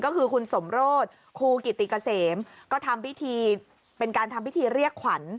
ก็คือคุณสมโรธครูกิติเกษมก็ทำพิธีเป็นการทำพิธีเรียกขวัญ